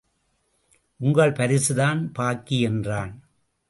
உங்கள் பரிசுதான் பாக்கி என்றான்.